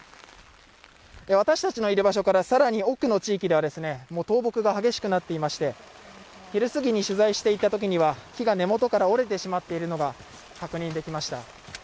私たちのいる場所から更に奥の地域では倒木が激しくなってまして昼すぎに取材していたときには木が根元から折れてしまっているのが確認できました。